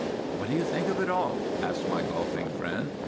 "What do you think of it all?" asked my golfing friend.